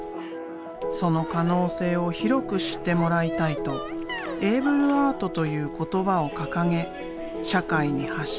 その可能性を広く知ってもらいたいとエイブル・アートという言葉を掲げ社会に発信してきた。